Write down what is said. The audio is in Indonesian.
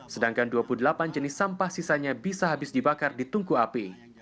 sedangkan dua puluh delapan jenis sampah sisanya bisa habis dibakar di tungku api